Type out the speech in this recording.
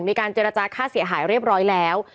มีการเจรจาค่าเสียหายเรียบร้อยแล้ว